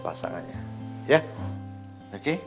pasangannya ya oke ya oke